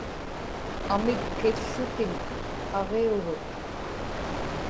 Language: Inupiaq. amikkił̣ł̣utiŋ aġiurut